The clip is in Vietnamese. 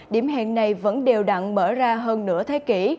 điểm hẹn này vẫn đều đặn mở ra hơn nửa thế kỷ